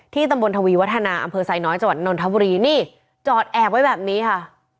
ตำบลทวีวัฒนาอำเภอไซน้อยจังหวัดนนทบุรีนี่จอดแอบไว้แบบนี้ค่ะ